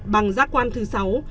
bằng giác quan thứ sáu